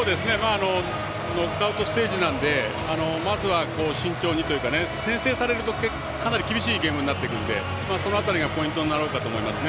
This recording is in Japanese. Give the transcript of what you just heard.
ノックアウトステージなので慎重にというか先制されると非常に厳しいゲームになってくるのでその辺りがポイントになると思いますね。